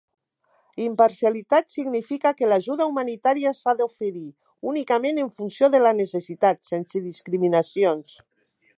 Imparcialitat significa que l'ajuda humanitària s'ha d'oferir únicament en funció de la necessitat, sense discriminacions.